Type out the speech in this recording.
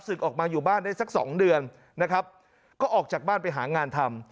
ออกมาอยู่บ้านได้สักสองเดือนนะครับก็ออกจากบ้านไปหางานทำ